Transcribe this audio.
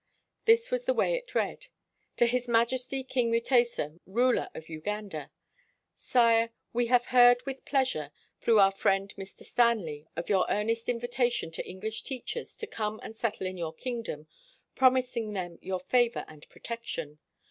This was the way it read: "To His Majesty King Mutesa, Ruler of Uganda. "Sire: — We have heard with pleasure, through our friend Mr. Stanley, of your earnest invitation to English teachers to come and settle in your kingdom, promising them your favor and protection.